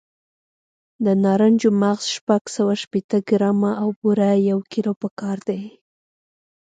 د نارنجو مغز شپږ سوه شپېته ګرامه او بوره یو کیلو پکار دي.